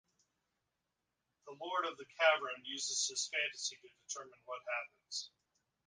The Lord of the cavern uses his fantasy to determine what happens.